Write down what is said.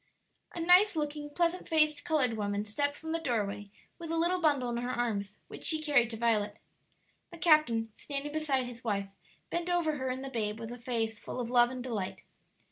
A nice looking, pleasant faced colored woman stepped from the doorway with a little bundle in her arms, which she carried to Violet. The captain, standing beside his wife, bent over her and the babe with a face full of love and delight.